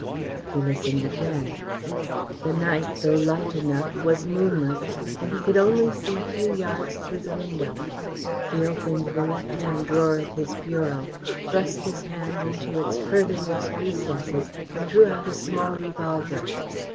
He listened again. The night, though light enough, was moonless, and he could only see a few yards through the window. He opened the left hand drawer of his bureau, thrust his hand into its furthermost recesses, and drew out a small revolver.